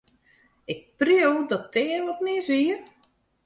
Ik preau dat der wat mis wie.